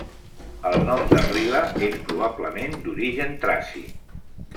El nom de Rila és probablement d'origen traci.